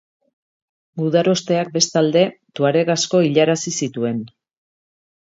Gudarosteak, bestalde, tuareg asko hilarazi zituen.